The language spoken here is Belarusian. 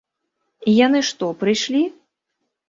І яны што, прыйшлі?